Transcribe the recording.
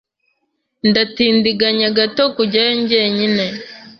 Ndatindiganya gato kujyayo jyenyine.